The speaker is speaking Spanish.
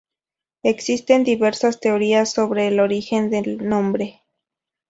Existen diversas teorías sobre el origen del nombre.